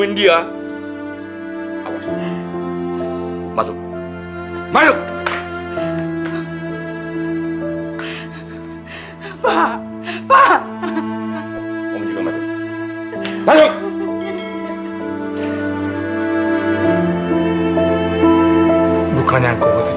tadi bila sekali saya sampai